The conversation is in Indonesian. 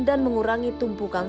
dan mengurangi tumpukan kematian